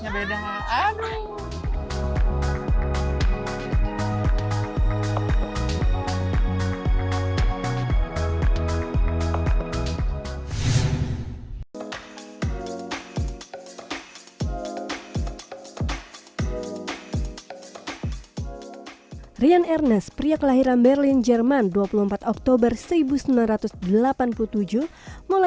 biasanya dipanjer buya